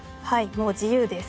もう自由です。